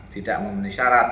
tidak memenuhi syarat